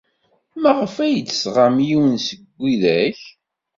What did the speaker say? Maɣef ay d-tesɣam yiwen seg widak?